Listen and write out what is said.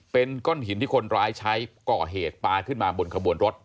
เป็นก้อนหินที่คนร้ายใช้ก่อเหตุปลาขึ้นมาบนขบวนรถ